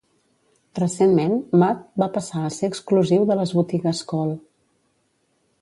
Recentment, Mudd va passar a ser exclusiu de les botigues Kohl.